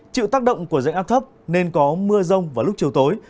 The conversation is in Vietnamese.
chịu tác động của dạng ác thấp nên có mưa rông vào lúc chiều tối